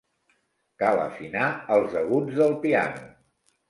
Cal afinar els aguts del piano.